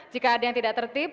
jika ada yang tidak tertib